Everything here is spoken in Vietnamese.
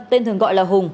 tên thường gọi là hùng